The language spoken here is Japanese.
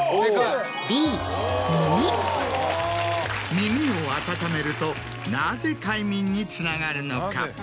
耳を温めるとなぜ快眠につながるのか？